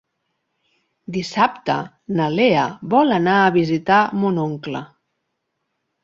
Dissabte na Lea vol anar a visitar mon oncle.